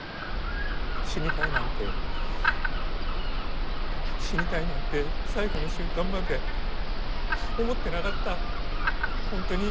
死にたいなんて死にたいなんて最後の瞬間まで思ってなかった本当に。